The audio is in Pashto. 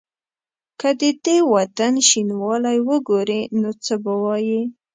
که د دې وطن شینوالی وګوري نو څه به وايي؟